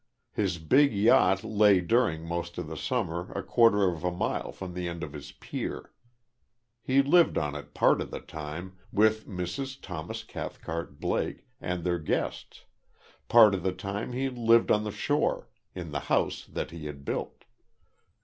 His big yacht lay during most of the summer a quarter of a mile from the end of his pier. He lived on it part of the time, with Mrs. Thomas Cathcart Blake, and their guests; part of the time he lived on the shore, in the house that he had built.